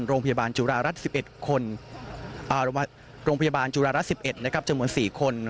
โรงพยาบาลจุฬารัฐ๑๑คนโรงพยาบาลจุฬารัฐ๑๑จำนวน๔คน